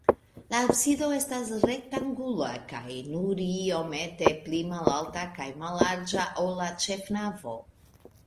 La absido estas rektangula kaj nur iomete pli malalta kaj mallarĝa, ol la ĉefnavo.